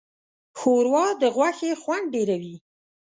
ښوروا د غوښې خوند ډېروي.